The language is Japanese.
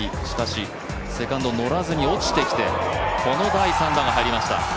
しかしセカンド乗らずに落ちてきて、この第３打が入りました。